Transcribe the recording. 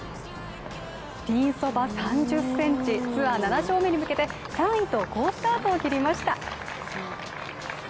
ピンそば３０センチツアー７勝目に向けて３位と好スタートを切りました。